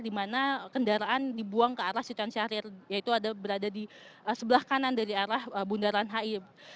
di mana kendaraan dibuang ke arah sultan syahrir yaitu ada berada di sebelah kanan dari arah bundaran hi